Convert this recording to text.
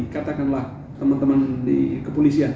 katakanlah teman teman di kepolisian